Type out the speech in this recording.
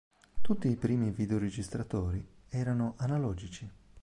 Tutti i primi videoregistratori erano analogici.